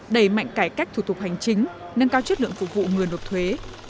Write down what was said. đẩy mạnh cải cách thủ tục hành chính nâng cao chất lượng phục vụ người nộp thuế